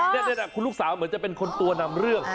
นี่คุณลูกสาวเหมือนจะเป็นคนตัวนำเรื่อง